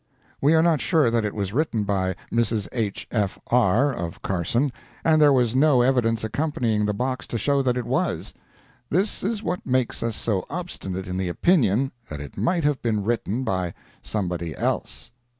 We are not sure that it was written by Mrs. H. F. R., of Carson, and there was no evidence accompanying the box to show that it was. This is what makes us so obstinate in the opinion that it might have been written by somebody else.